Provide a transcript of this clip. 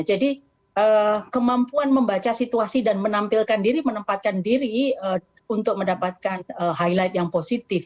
jadi kemampuan membaca situasi dan menampilkan diri menempatkan diri untuk mendapatkan highlight yang positif